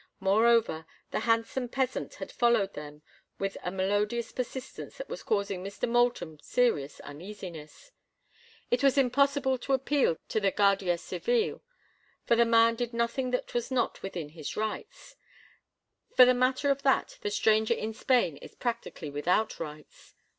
Moreover, the handsome peasant had followed them with a melodious persistence that was causing Mr. Moulton serious uneasiness. It was impossible to appeal to the Guardia Civile, for the man did nothing that was not within his rights; for the matter of that the stranger in Spain is practically without rights.